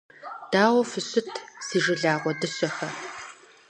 Дауэ фыщыт, си жылэгъу дыщэхэ!